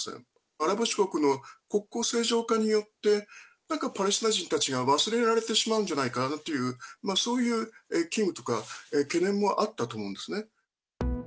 アラブ諸国の国交正常化によって、なんかパレスチナ人たちが忘れられてしまうんじゃないかなんていう、そういう危惧とか懸念もあったと思うんですね。